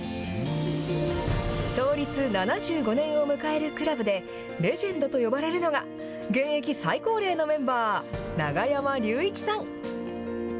創立７５年を迎えるクラブで、レジェンドと呼ばれるのが、現役最高齢のメンバー、永山隆一さん。